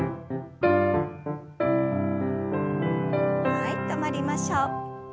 はい止まりましょう。